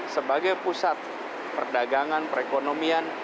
sebagai pusat perdagangan perekonomian